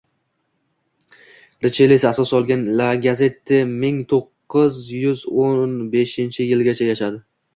Rishele asos solgan «La Gazette» ming to'qqiz yuz o'n beshinchi yilgacha yashadi.